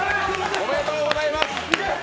おめでとうございます。